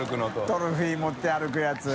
トロフィー持って歩くやつ。